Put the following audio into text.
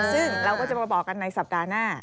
ซึ่งเราก็จะมาบอกกันในสัปดาห์หน้า